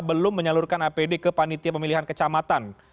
belum menyalurkan apd ke panitia pemilihan kecamatan